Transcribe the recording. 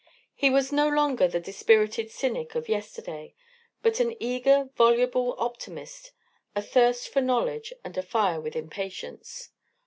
He was no longer the dispirited cynic of yesterday, but an eager, voluble optimist athirst for knowledge and afire with impatience.